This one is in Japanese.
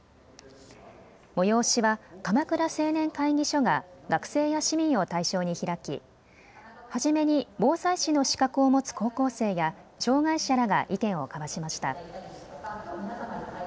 催しは鎌倉青年会議所が学生や市民を対象に開き、初めに防災士の資格を持つ高校生や障害者らが意見を交わしました。